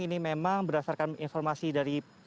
ini memang berdasarkan informasi dari